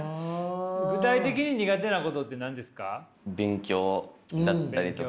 具体的に苦手なことってなんですか？